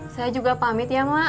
saya juga pamit ya mak